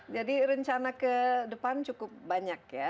jadi rencana ke depan cukup banyak ya